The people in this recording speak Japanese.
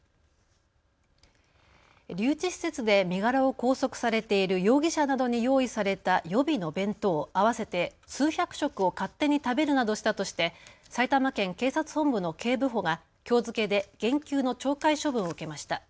留置施設で身柄を拘束されている容疑者などに用意された予備の弁当、合わせて数百食を勝手に食べるなどしたとして埼玉県警察本部の警部補がきょう付けで減給の懲戒処分を受けました。